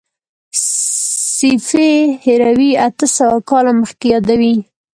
سیفي هروي اته سوه کاله مخکې یادوي.